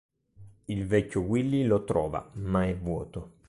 Il Vecchio Willy lo trova, ma è vuoto.